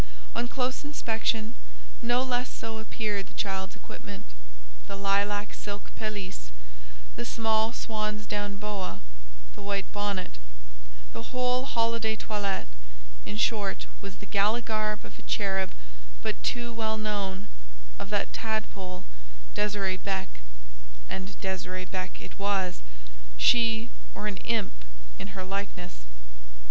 On close inspection, no less so appeared the child's equipment; the lilac silk pelisse, the small swansdown boa, the white bonnet—the whole holiday toilette, in short, was the gala garb of a cherub but too well known, of that tadpole, Désirée Beck—and Désirée Beck it was—she, or an imp in her likeness.